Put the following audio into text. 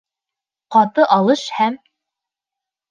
Ҡаты алыш һәм...